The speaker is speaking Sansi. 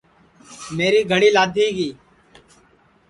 میری گھڑی لادھی گی